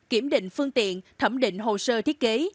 kiểm định phương tiện thẩm định hồ sơ thiết kế